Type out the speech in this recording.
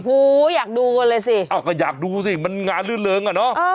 หูยอยากดูเลยสิเอ้าก็อยากดูสิมันงานเลือดเหลืองอ่ะเนอะ